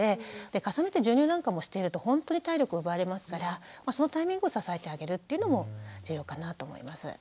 重ねて授乳なんかもしているとほんとに体力奪われますからそのタイミングを支えてあげるというのも重要かなと思います。